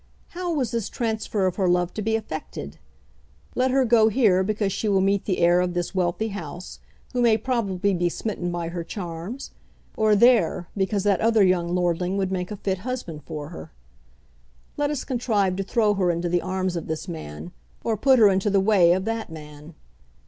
How was this transfer of her love to be effected? Let her go here because she will meet the heir of this wealthy house who may probably be smitten by her charms; or there because that other young lordling would make a fit husband for her. Let us contrive to throw her into the arms of this man, or put her into the way of that man.